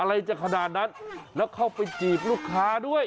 อะไรจะขนาดนั้นแล้วเข้าไปจีบลูกค้าด้วย